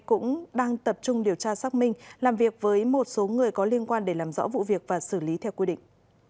cũng đang tập trung điều tra xác minh làm việc với một số người có liên quan để làm rõ vụ việc và xử lý theo quy định